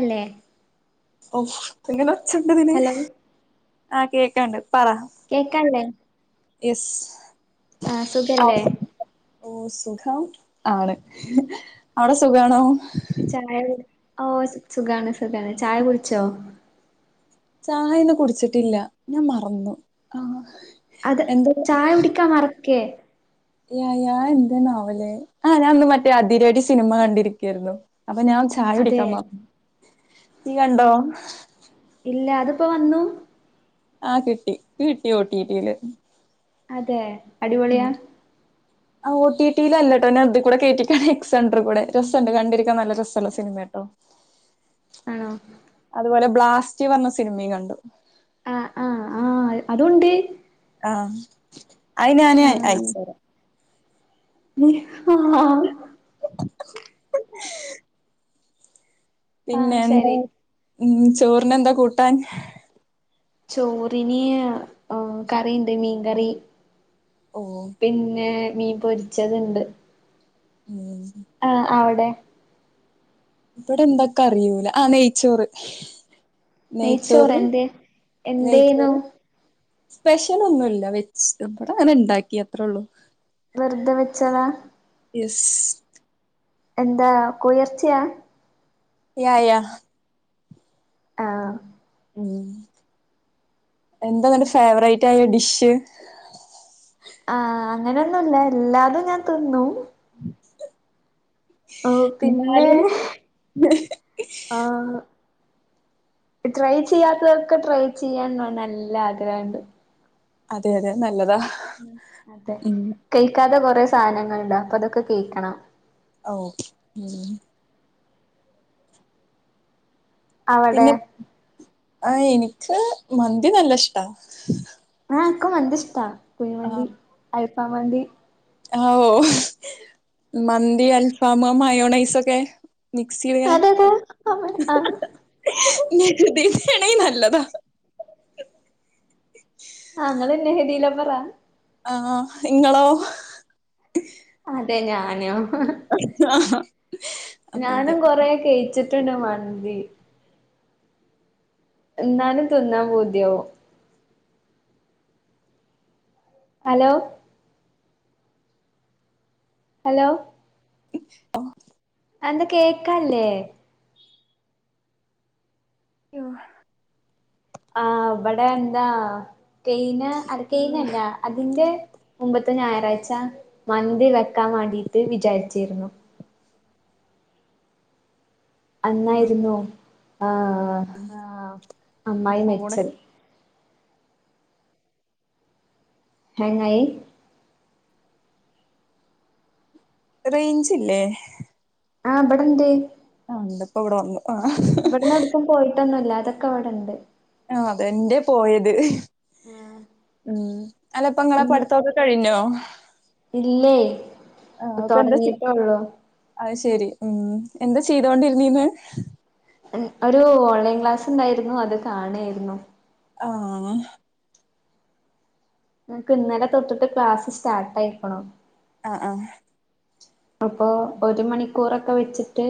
അല്ലേ ഔ ഇങ്ങനെ ഒച്ചണ്ടതിന് ഹലോ ആ കേക്ക്ണ്ട് പറ കേക്ക്ൺലെ എസ് ആ സുഖല്ലേ ഓ സുഖം ആണ് അവടെ സുഖാണോ ചായ ഓ സുഖാണ് സുഖാണ് ചായ കുട്ച്ചോ ചായന്നെ കുടിച്ചിട്ടില്ല ഞാൻ മറന്നു. ആഹ് അത് എന്താ ചായ കുടിക്കാൻ മറക്കെ യാ, യാ അത് എന്താണാവെല്ലേ ആ ഞാൻ ഇന്ന് മറ്റേ അതിരടി സിനിമ കണ്ടിരിക്കയായിര്ല്ലോ അപ്പൊ ഞാൻ ചാ ചായ അതെ കുടിക്കാൻ മറന്നു. നീ കണ്ടോ? ഇല്ല അത്പ്പോ വന്നു? ആ കിട്ടി. ഇക്ക് കിട്ടി ഓട്ടീട്ടീല്. അതെ, അടിപൊളിയാ? ആ ഓട്ടീറ്റിൽ അല്ലെട്ടോ ഞാൻ ഇത് കൂടെ കേറ്റിക്ക് ആണ് എക്സൻഡർ കൂടെ, രസ ഇണ്ട് കണ്ടിരിക്കാൻ നല്ല രസള്ള സിനിമെട്ടോ. ഉ ആണോ? അതുപോലെ ബ്ലാസ്റ്റീ പറഞ്ഞ സിനിമി കണ്ടു. ആഹ്, ആഹ്, ആഹ്, അതുണ്ട്. ആഹ്, അയ് ഞാന് ആ അയച്ച് തരാ. [unintelligible] [inaudible] ആ പിന്നെ എന്തെ ശരി ഉം, ചോറിന് എന്താ കൂട്ടാൻ? ചോറിന് ഏഹ്, കറിണ്ട് മീൻകറി. ഓഹ് പിന്നെ മീൻ പൊരിച്ചത് ഇണ്ട്. ഉം ആ അവടെ, ഇബടെ എന്ത ഇക്കറിയൂല ആ നെയ്ച്ചോറ്. നെയ്ച്ചോറ്, എന്തേനു നെയ്ച്ചോറ് സ്പെഷ്യലൊന്നുല്ല വെച്ച് ഇബടെ അങ്ങനെ ഇണ്ടാക്കി അത്രള്ളൂ. വെർത വെച്ചതാ? യെസ് എന്താ കോഴി എർച്ചിയാ? യാ യാ ആഹ് ഉം, എന്താ ഇന്നട്ട് ഫേവറേറ്റായ ഡിഷ്? ആ അങ്ങനെയൊന്നുല്ല എല്ലാതും ഞാൻ തിന്നു. ഓഹ് പിന്നെ, എന്നാലും ആഹ് ട്രൈ ചെയ്യാത്തതൊക്കെ ട്രൈ ചെയ്യാൻ നല്ല ആഗ്രഹണ്ട്. അതെ, അതെ അഹ് നല്ലതാ. അതെ, ഉം കെഴിക്കാത്തെ കൊറെ സാനങ്ങള്ണ്ട് അപ്പൊ അതൊക്കെ കെഴിക്കണം. ഓഹ്, പിന്നെ അവിടെ പിന്നെ ആഹ് എനിക്ക് മന്തി നല്ല ഇഷ്ടാ. ആ ഇക്ക് മന്തി ഇഷ്ടാ കുഴിമന്തി, അൽഫ മന്തി. ആ ഓഹ് മന്തി അൽഫാമ് ആ മയോണൈസൊക്കെ. മിക്സിയിലിങ്ങനെ അതേതാ അഹ് ആഹ് ആഹ് [unintelligible] തിന്നണെ നല്ലതാ ആഹ്, ഇങ്ങളെന്നെ [unintelligible] ലവ്വെറാ ആഹ് ഇങ്ങളോ? അതെ ഞാനു ഹ് ഹ് [unintelligible] ഞാനും കൊറേ കെയിച്ചിട്ടുണ്ട് മന്തി എന്നാലും തിന്നാൻ പൂതിയാവു ഹലോ അലോ ആഹ് ന്താ കേക്കാൻല്ലേ യോഹ് ആഹ് ഇവിടെ എന്താ കെയിന അട് തയ്നല്ല അതിന്റെ മുമ്പത്തെ ഞായറാഴ്ച മന്തി വെക്കാവാണ്ടിട്ട് വിചാരിച്ചിരുന്നു അന്നായിരുന്നു ആഹ് ആഹ് എന്റെ അമ്മായി ഫോണ് മെരിച്ചത് ഹെങ്ങായ് റൈഞ്ചില്ലേ ആഹ് ഇബടെണ്ട് ആഹ് ണ്ട് ഇപ്പോവിടെ വന്നു ആഹ് ഇവിടുന്നവടക്കും പോയിട്ടൊന്നുല്ല അതൊക്കെ വിടെണ്ട് ആഹ് അതെന്റെ പോയത് ആഹ് ഉം അല്ലപ്പ ങ്ങളെ പഠിത്തോക്കെ കഴിഞ്ഞോ ഇല്ലേയ് തൊടങ്ങിട്ടേള്ളൂ അയ്ശെരി ഉം എന്താ ചെയ്തോണ്ടിരുന്നീന്ന് ഉം ഒരു ഓൺലൈൻ ക്ലാസ്ണ്ടായിരുന്നു അത് കാണേയ്രുന്നു ആഹ് ഇൻക്ക് ഇന്നലെ തൊട്ടിട്ട് ക്ലാസ് സ്റ്റാർട്ട് ആയിക്ക്ണു അഹ് ആഹ് അപ്പൊ ഒരു മണിക്കൂറൊക്കെ വെച്ചിട്ട്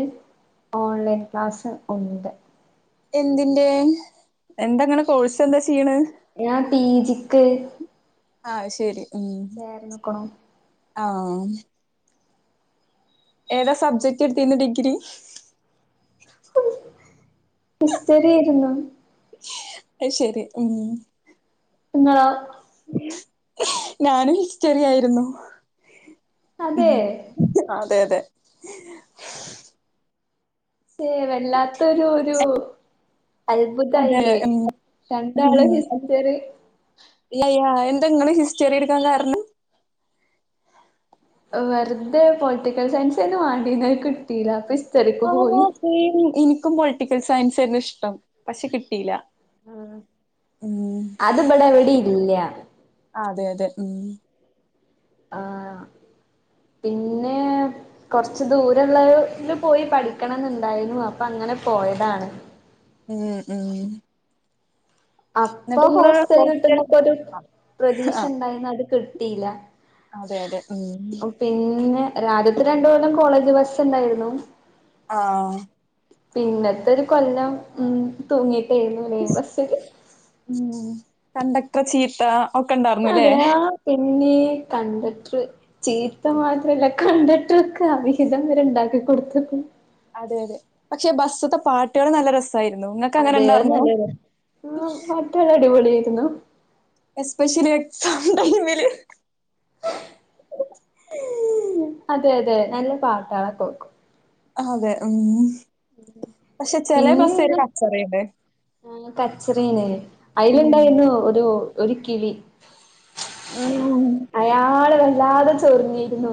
ഓൺലൈൻ ക്ലാസ് ഒണ്ട് എന്തിന്റെ എന്തങ്ങള് കോഴ്സ് എന്താ ചെയ്യണെ ഞാം പീജിക്ക് ആഹ് ശെരി ഉം ചേർന്നക്കണു ആഹ് ഏതാ സബ്ജക്ട് എടുത്തീന് ഡിഗ്രി ഹിസ്റ്ററിയാരുന്നു അഹ് ശെരി ഉം ങ്ങളോ ഞാനും ഹിസ്റ്ററിയായ്രുന്നു ഉം അതെ അതെ അതെ ചെ വല്ലാത്തൊരു ഒരു അതെ അത്ഭുതായില്ലേ ഉം രണ്ടാള് ഹിസ്റ്ററി ലയാ എന്ത ഇങ്ങള് ഹിസ്റ്ററി എടുക്കാം കാരണം വെറുതെ പൊളിറ്റിക്കൽ സയൻസന്നെ വാണ്ടീന്ന അഹ് കിട്ടീല്ല അപ്പ ഹിസ്റ്ററിക്ക് പോയി സെമ് എനിക്കും പൊളിറ്റിക്കൽ സയൻസാര്ന്നു ഇഷ്ടം പക്ഷെ കിട്ടീല ഉം അത് ഇബടഎവിടീം ഇല്ല ആഹ് അതെ അതെ ഉം ആഹ് പിന്നെ കൊറച്ച് ദൂരള്ളെ ല് പോയി പഠിക്കണംന്നുണ്ടായ്നു അപ്പ അങ്ങന പോയതാണ് ഉം ഉം അപ്പൊ എന്നിട്ട് നിങ്ങള് ഹോസ്റ്റല് ഹോസ്റ്റൽ കിട്ടുന്നൊക്കൊര് പ്രതീക്ഷ ആഹ് ഇണ്ടയ്ന്നു അത് കിട്ടീല അതെ അതെ ഉം പിന്നെ രാധ്യത്തെ രണ്ട് കൊല്ലം കോളേജ് ബസ്സ് ഇണ്ടാര്ന്നു ആഹ് പിന്നത്തെ ഒര് കൊല്ലം ഉം തൂങ്ങിട്ടെരുന്നു ലൈൻ ബസ്സ്ല് ഉം കണ്ടക്ട്റെ ചീത്ത ഒക്കെ ഉണ്ടായിരുന്നുല്ലേ അതേ ആഹ് പിന്നേ കണ്ടക്ട്റ് ചീത്ത മാത്രല്ല കണ്ടക്ട്റൊക്കെ അവിഹിതം വരെ ഇണ്ടാക്കി കൊട്ത്ത്ക്കുണു അതെ അതെ പക്ഷെ ബസ്സ്ത്തെ പാട്ടേള് നല്ല രസ് തായ്ര്ന്നു ഇങ്ങക്ക് അങ്ങനെ ഇണ്ടാർന്നോ റ്റുള്ള അടിപൊളിയെര്ന്നു എസ്പെഷ്യലി എക്സാം ടൈമില് അതെ അതെ നല്ല പാട്ടേളൊക്കെ വെക്കും അതെ ഉം പക്ഷെ ചെലെ ബസ്സെര് കച്ചറേണ് കച്ചറേണ് ഉം. അയില്ണ്ടായ്ർന്നു ഒരു ഒര് കിളി ആഹ് അയാള് വല്ലാതെ ചൊറിഞ്ഞിരുന്നു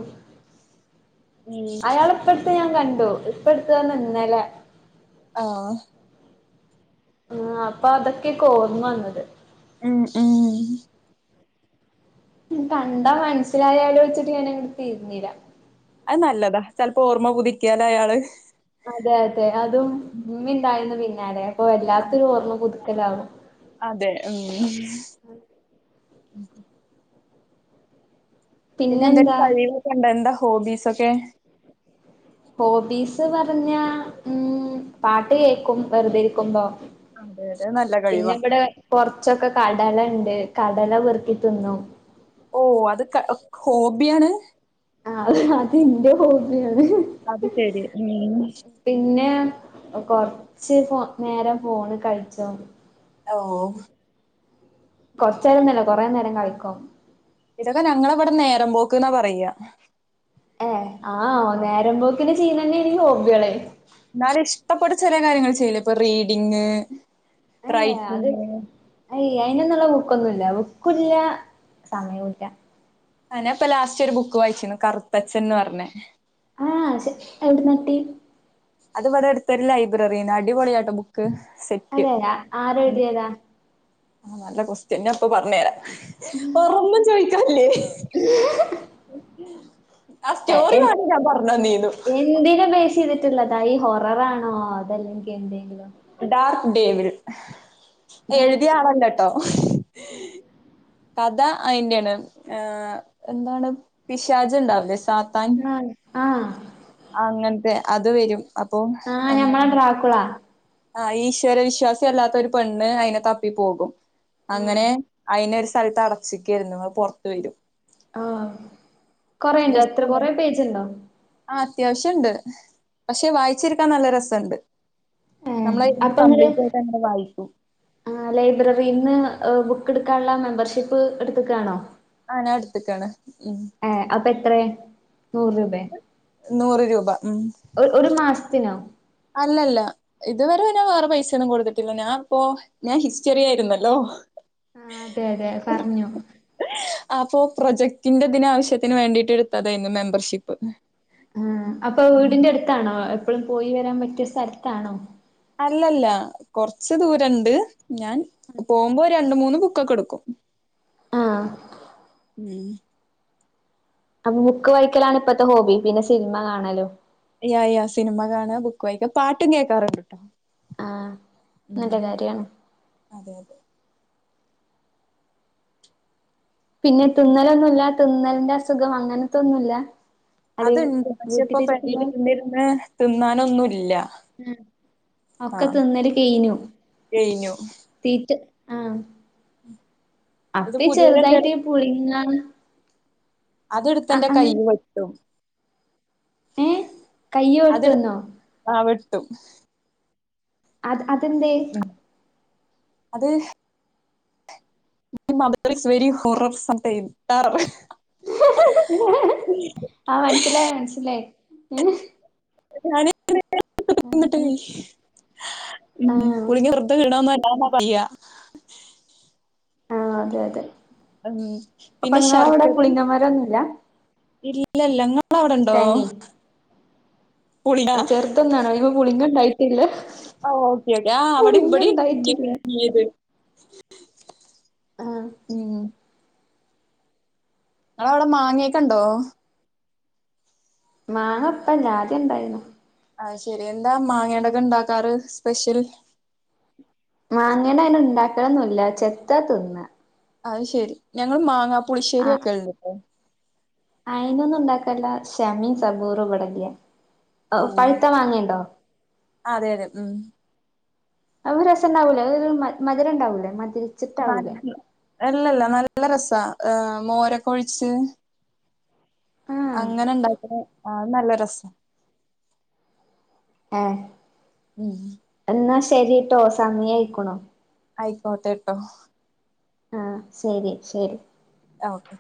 ഉം. അയാള ഇപ്പട്ത്ത് ഞാൻ കണ്ടു ഇപ്പടുത്ത്ർഞ്ഞ ഇന്നലെ ആഹ് ആഹ് അപ്പൊ അതൊക്കെക് കോർമ വന്നത് ഉം ഉം കണ്ടാ മൻസ്സിലായാലൊ ച്ച്ട്ട് ഞാന അങ്ങ്ട്ട് തിര്ഞ്ഞില അത് നല്ലത ചെൽപ്പൊ ഓർമ്മ പുതിക്കിയാലൊ അയാള് അതെ അതെ അതും ഇമ്മിണ്ടാർന്നു പിന്നാലെ അപ്പൊ വല്ലാത്തൊര് ഓർമ്മ പുത്ക്കലാവും അതെ ഉം പിന്നെ എന്തേലും പിന്നെന്താ കളിളൊക്കണ്ടൊ എന്ത ഹോബീസൊക്കെ ഹോബീസ് പറഞ്ഞ ഉം പാട്ട് കേക്കും വെറ്തെരിക്കുമ്പൊ അതെ അതെ നല്ല പിന്ന കഴിവാ ഇവടെ കൊറച്ചൊക്ക കടലണ്ട് കടല പെറ്ക്കി തിന്നും ഓഹ് അത്ക്ക ഹോബ്യാണ് ആഹ് അതിന്റെ ഹോബ്യാണ് അത് ശരി ഉം പിന്നേ കൊറ്ച്ച് ഫോ നേരം ഫോണ് കൾച്ചൊ ഓഹ് കൊറ്ച്ചേരൊന്നല്ല കൊറേ നേരം കളിക്കും ഇതൊക്ക ഞങ്ങളവടെ നേരം പോക്ക്ന്ന പറയാ ഏഹ് ആഹ് നേരം പോക്കിന് ചെയ്യ്ണന്നേണ് ഈ ഹോബ്യേളെ ഇന്നാലും ഇഷ്ടപ്പെട്ട് ചെലേ കാര്യങ്ങള് ചെയ്യൂലെ ഇപ്പൊ റീഡിങ് ഏ അത് റൈറ്റിങ് അയ് അയിനൊന്ന്ള്ള ബുക്കൊന്നുല്ല ബുക്കുല്ല സമയോല്ല ആഹ് നാ ഇപ്പ ലാസ്റ്റ് ഒരു ബുക്ക് വായ്ച്ചീന്നു കറുത്തച്ഛൻന്ന് പർഞ്ഞെ ആഹ് ശരി എവിട്ന്നാട്ടി അത് ഇവടെ അട്ത്തൊരു ലൈബ്രറീന്ന് അടിപൊളിയാട്ടൊ ബുക്ക് സെറ്റ് അതെ ആരെഴുതിയതാ ആഹ് നല്ല കൊസ്റ്റ്യൻ ഞാൻ ഇപ്പൊ പർഞ്ഞേര വേറൊന്നും ചൊയ്ച്ചാല്ലെ ആഹ് സ്റ്റോറി എ പറ്ഞ്ഞ ഞാൻ പർഞന്നീന്നു എന്തിനെ ബേസ് ചെയ്തിട്ടുള്ളതാ ഈ ഹൊററാണോ അതല്ലെങ്കി എന്തെങ്കിലും ഡാർക്ക് ഡേവിൾ ഡാർക്ക് എഴുതിയ ആളല്ലട്ടോ കഥ അയിന്റെയാണ് എന്താണ് പിശാച് ണ്ടാവൂലെ സാ എന്നാലും ആഹ് അങ്ങൻത്തെ അത് വരും അപ്പൊ എന്താ ബുക്കുകളാ ആഹ് ഈശ്വര വിശ്വാസി അല്ലാത്ത ഒരു പെണ്ണ് അയിനെ തപ്പി പോകും അങ്ങനെ ആഹ് അയിനെ ഒരു സ്ഥലത്ത് അടച്ചിക്കായിരുന്നു അത് പൊറത്ത് വരും ആഹ് കൊറെണ്ടോ എത്ര കൊറെ പേജുണ്ടോ ആഹ് അത്യാവശ്യണ്ട് പക്ഷെ വായിച്ചിരിക്കാൻ നല്ല രസണ്ട് ഏഹ് നമ്മള് ഇരുന്ന് അപ്പൊ ഇങ്ങള് കംപ്ലീറ്റ് ആയിട്ടന്നെ വായിക്കും ആഹ് ലൈബ്രറിന്ന് ബുക്ക് എടുക്കാൻള്ള മെമ്പർഷിപ്പ് എടുത്ത്ക്കാണോ ആഹ് ഞാൻ എടുത്ത്ക്കാണ് മം ഏഹ് അപ്പൊ എത്രെ നൂറ് രൂപേ നൂറ് രൂപ ഉം ഒരു ഒരു മാസത്തിനോ അല്ലല്ല ഇതുവരെ ഞാൻ വേറെ പൈസൊന്നും കൊടുത്തിട്ടില്ല ഞാൻ ഇപ്പോ ഞാൻ ഹിസ്റ്ററി ആയിരുന്നല്ലോ ആഹ് അതെ അതെ പറഞ്ഞു അപ്പൊ പ്രൊജക്ടിന്റെ ദിന് ആവശ്യത്തിന് വേണ്ടിട്ട് എടുത്തതായിരുന്നു മെമ്പർഷിപ്പ് ആഹ് അപ്പൊ ഉം വീടിന്റെ അടുത്താണോ എപ്പോഴും പോയി വരാൻ പറ്റിയ സ്ഥലത്താണോ അല്ല ല്ല കൊറച്ച് ദൂരണ്ട് ഞാൻ പോകുമ്പോ രണ്ട് മൂന്ന് ബുക്കൊക്കെ എടുക്കും ആഹ് മം അപ്പൊ ബുക്ക് വയിക്കലാണ് ഇപ്പത്തെ ഹോബി പിന്നെ സിനിമ കാണലും യാ യാ സിനിമ കാണാ ബുക്ക് വായിക്ക പാട്ടും കേക്കാറുണ്ട് ട്ടോ ആഹ് നല്ല മം കാര്യാണ് അതെ അതെ പിന്നെ തുമ്മലൊന്നുല്ല തുമ്മലിന്റെ അസുഖം അങ്ങനത്തൊന്നുല്ല അത് അത്ണ്ട് പക്ഷെ ഇപ്പോ പെരേല് വീട്ടിലിരിക്കുമ്പോ ഇരിന്ന് ഇരുന്ന് തുമ്മാനൊന്നുല്ല ഒക്ക തിന്നല് കെയ്ഞ്ഞു കഴിഞ്ഞു തീറ്റ ആഹ് ഇത് അപ്പി ചെറുതായിട്ട് പുതിയതെന്തേലും പുഴുങ്ങ അതെടുത്തന്റെ കയ്യില് വെട്ടും ഏഹ് കയ്യ് അതെടുത് വെട്ടുന്നോ ആഹ് വെട്ടും അത് അതെന്തെ അത് my mother is very horror some time far away ആഹ് മനസിലായി മനസിലായി [unintelligible] ആഹ് [unintelligible] ആഹ് വെറുതെ വീണോന്നു അല്ല എന്നാ പറയാ അതെ അതെ ഉം അപ്പൊ പിന്നെ ഇങ്ങളവിടെ ശർക്കരയും പുളിങ്ങമരൊന്നുല്ല ഇല്ലല്ല ങ്ങള അവിടെണ്ടോ ആ ചെർതൊന്നാണ് അതിമ്മേ പുളിങ്ങ ഉണ്ടായിട്ടില്ല ഓ ഓക്കെ ഓക്കെ ആഹ് അവിടെ മ്പടേം ഇണ്ടായിട്ടില്ല [unintelligible] ആഹ് ഉം നിങ്ങളവിടെ മാങ്ങയക്കണ്ടോ മാങ്ങപ്പല്ല ആദ്യം ഇണ്ടായിരുന്നു അയ്ശരി എന്താ മാങ്ങയൊണ്ടക്കെ ഇണ്ടാക്കാറ് സ്പെഷ്യൽ. മാങ്ങേണ്ട് അങ്ങനെ ഇണ്ടാക്കലന്നൂല്ല ചെത്താ തിന്നാ. അയ്ശരി ഞങ്ങൾ മാങ്ങാ പുളിശ്ശേരി വക്കലുണ്ട്. ട്ടോ അയിനൊന്നും ഉണ്ടാക്കല്ല ഷമേം സബൂറും ഇവിടല്ല്യ ഓഹ് പഴുത്ത മാങ്ങയിണ്ടോ? അതെ അതെ ഉം അത് രസം ഉണ്ടാവൂലേ മധുരംണ്ടാവൂലേ മദ് അല്ലല്ല നല്ല രസ മോരൊക്കെ ഒഴിച്ച്. ആഹ് അങ്ങനെ ഇണ്ടാക്കുന്ന ആഹ് അത് നല്ല രസാ. ആഹ് ഉം എന്നാ ശരിട്ടോ സമയായിക്കണു. ആയിക്കോട്ടെട്ടോ? ആഹ് ശരി ശരി ആഹ് ഓക്കെ